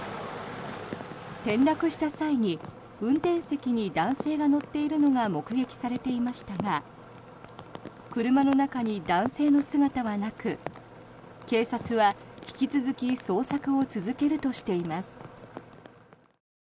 転落した際に運転席に男性が乗っているのが目撃されていましたが車の中に男性の姿はなく警察は引き続き捜索を続けるとしています。